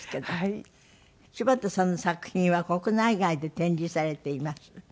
柴田さんの作品は国内外で展示されています。